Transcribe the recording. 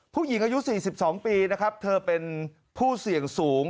ผู้หญิงอายุ๔๒ปีนะครับเธอเป็นผู้เสี่ยงสูง